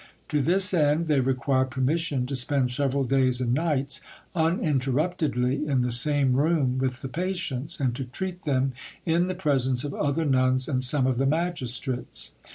To this end they required permission to spend several days and nights uninterruptedly in the same room with the patients, and to treat them in the presence of other nuns and some of the magistrates.